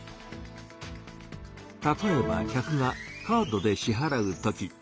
例えば客がカードで支払うとき。